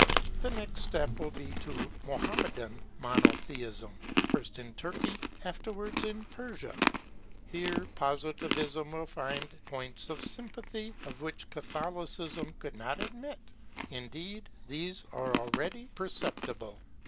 The next step will be to Mohammedan Monotheism; first in Turkey, afterwards in Persia. Here Positivism will find points of sympathy of which Catholicism could not admit. Indeed these are already perceptible.